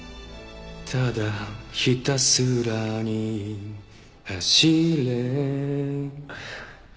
「ただひたすらに走れ」あっ。